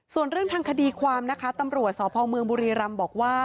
ส่วนเรื่องทางคดีความนะคะตำรวจสพเมืองบุรีรำบอกว่า